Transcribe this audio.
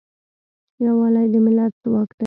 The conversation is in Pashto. یوالی د ملت ځواک دی.